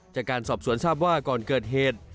จากการสอบสวนทราบว่าก่อนเกิดเหตุ